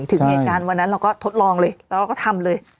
ถึงเหตุการณ์วันนั้นเราก็ทดลองเลยแล้วเราก็ทำเลย